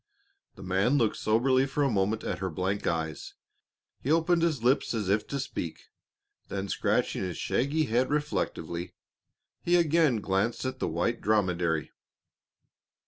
The man looked soberly for a moment at her blank eyes, he opened his lips as if to speak, then scratching his shaggy head reflectively, he again glanced at the white dromedary.